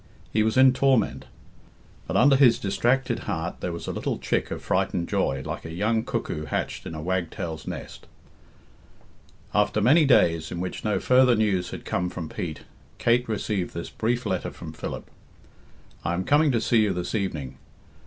He was in torment. But under his distracted heart there was a little chick of frightened joy, like a young cuckoo hatched in a wagtail's nest. After many days, in which no further news had come from Pete, Kate received this brief letter from Philip: "I am coming to see you this evening.